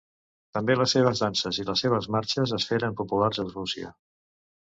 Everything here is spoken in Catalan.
També les seves danses i les seves marxes es feren populars a Rússia.